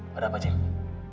dia bukan orang kita tapi